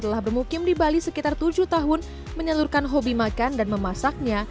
telah bermukim di bali sekitar tujuh tahun menyalurkan hobi makan dan memasaknya